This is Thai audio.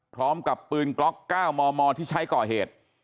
พร้อมกับปืนกล็อก๙มมที่ใช้ก่อเหตุ